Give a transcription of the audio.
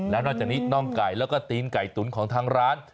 แล้วนอกจากนี้น่องไก่แล้วก็ตีนไก่ตุ๋นของทางร้าน